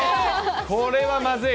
これはまずい。